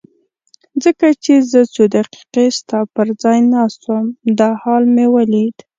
ځکه چې زه څو دقیقې ستا پر ځای ناست وم دا حال مې ولید.